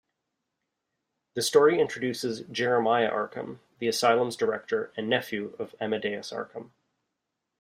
The story introduces Jeremiah Arkham, the asylum's director, and nephew of Amadeus Arkham.